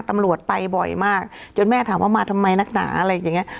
ตำรวจไปบ่อยมากจนแม่ถามว่ามาทำไมนักหนาอะไรอย่างเงี้ย